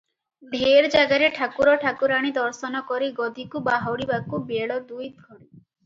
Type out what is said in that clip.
ଢେର ଜାଗାରେ ଠାକୁର ଠାକୁରାଣୀ ଦର୍ଶନ କରି ଗଦିକୁ ବାହୁଡିବାକୁ ବେଳ ଦୁଇ ଘଡ଼ି ।